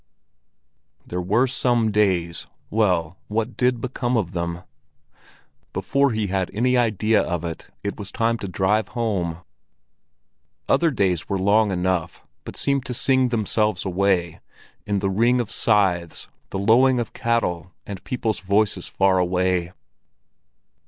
There were some days—well, what did become of them? Before he had any idea of it, it was time to drive home. Other days were long enough, but seemed to sing themselves away, in the ring of scythes, the lowing of cattle, and people's voices far away.